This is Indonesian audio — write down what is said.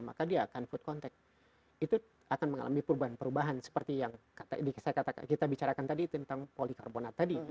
maka dia akan food contact itu akan mengalami perubahan perubahan seperti yang kita bicarakan tadi tentang polikarbonat tadi